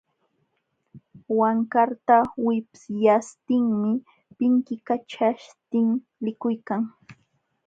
Wankarta wipyaśhtinmi pinkikaćhaśhtin likuykan.